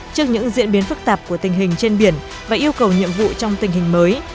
trước những diễn biến phức tạp của tình hình trên biển và yêu cầu nhiệm vụ trong tình hình mới